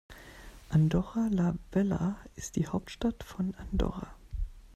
Andorra la Vella ist die Hauptstadt von Andorra.